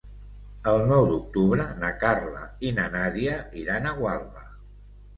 El nou d'octubre na Carla i na Nàdia iran a Gualba.